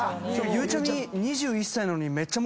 ゆうちゃみ。